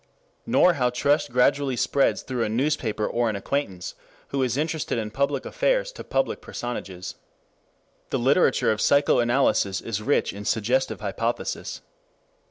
Nor how trust gradually spreads through a newspaper or an acquaintance who is interested in public affairs to public personages. The literature of psychoanalysis is rich in suggestive hypothesis.